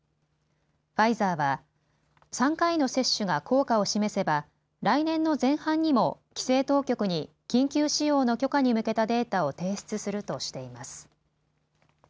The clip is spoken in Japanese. ファイザーは３回の接種が効果を示せば来年の前半にも規制当局に緊急使用の許可に向けたデータを提出するとしています。